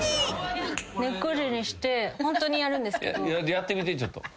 やってみてちょっと。